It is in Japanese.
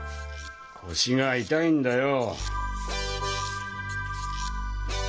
腰が痛いんだよ。